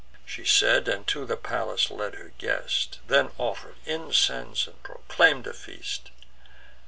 She said, and to the palace led her guest; Then offer'd incense, and proclaim'd a feast.